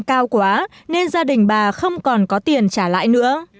cao quá nên gia đình bà không còn có tiền trả lại nữa